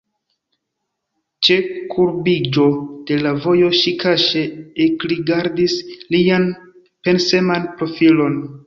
Ĉe kurbiĝo de la vojo ŝi kaŝe ekrigardis lian penseman profilon.